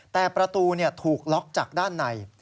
แต่ประตูถูกล็อกจากด้านใน